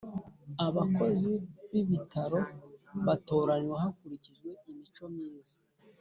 Abakozi b itorero batoranywa hakurikijwe imico myiza